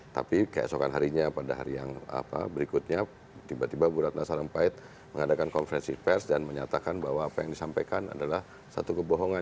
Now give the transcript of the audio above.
tapi keesokan harinya pada hari yang berikutnya tiba tiba bu ratna sarumpait mengadakan konferensi pers dan menyatakan bahwa apa yang disampaikan adalah satu kebohongan